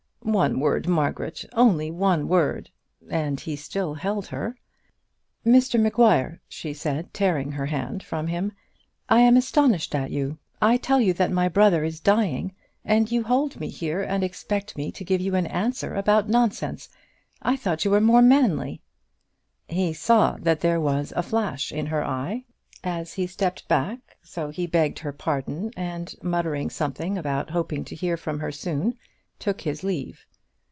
"One word, Margaret; only one word," and he still held her. "Mr Maguire," she said, tearing her hand from him, "I am astonished at you. I tell you that my brother is dying and you hold me here, and expect me to give you an answer about nonsense. I thought you were more manly." He saw that there was a flash in her eye as he stepped back; so he begged her pardon, and muttering something about hoping to hear from her soon, took his leave.